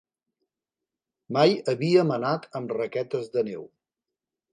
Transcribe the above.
Mai havíem anat amb raquetes de neu.